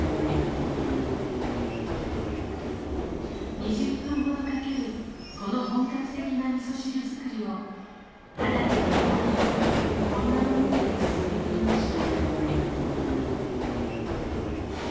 ２０分ほどかけるこの本格的なみそ汁作りをはなちゃんは毎朝こんな思いで続けていました